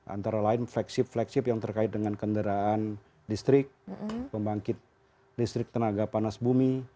antara lain flagship flagship yang terkait dengan kendaraan listrik pembangkit listrik tenaga panas bumi